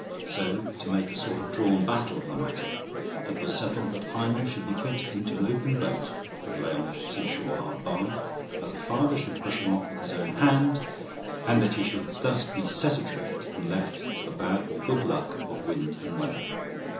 So, to make a sort of drawn battle of the matter, it was settled that Heinel should be put into an open boat, that lay on the sea shore hard by; that the father should push him off with his own hand, and that he should thus be set adrift, and left to the bad or good luck of wind and weather.